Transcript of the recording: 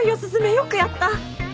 よくやった！